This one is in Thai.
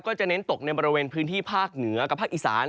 จะเน้นตกในบริเวณพื้นที่ภาคเหนือกับภาคอีสาน